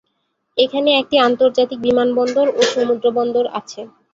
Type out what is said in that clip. এখানে একটি আন্তর্জাতিক বিমানবন্দর ও সমুদ্রবন্দর আছে।